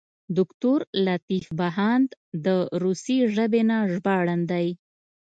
دوکتور لطیف بهاند د روسي ژبې نه ژباړن دی.